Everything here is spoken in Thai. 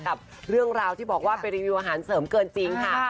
กับเรื่องราวที่บอกว่าไปรีวิวอาหารเสริมเกินจริงค่ะ